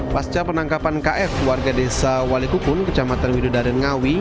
pasca penangkapan kf warga desa wali kukun kecamatan widodaren ngawi